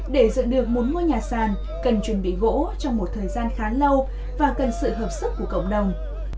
để dựng được một ngôi nhà sàn cần chuẩn bị gỗ trong một thời gian khá lâu và cần sự hợp sức của cộng đồng